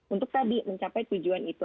untuk mencapai tujuan itu